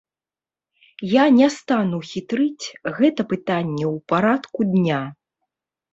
Я не стану хітрыць, гэта пытанне ў парадку дня.